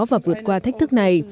và vượt qua thách thức này